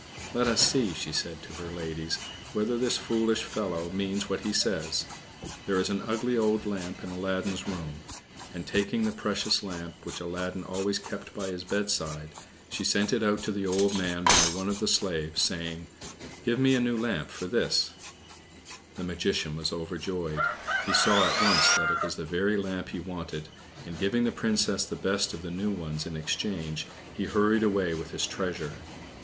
"Let us see," she said to her ladies, "whether this foolish fellow means what he says; there is an ugly old lamp in Aladdin's room," and taking the precious lamp, which Aladdin always kept by his bedside, she sent it out to the old man by one of the slaves, saying "Give me a new lamp for this!" The Magician was overjoyed. He saw at once that it was the very lamp he wanted, and giving the Princess the best of the new ones in exchange, he hurried away with his treasure.